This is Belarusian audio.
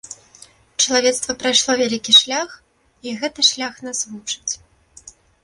Чалавецтва прайшло вялікі шлях, і гэты шлях нас вучыць.